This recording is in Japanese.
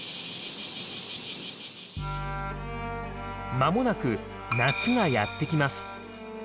間もなく夏がやって来ます。